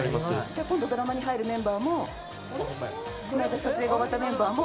じゃあ、今度ドラマに入るメンバーも、この間、撮影が終わったメンバーも？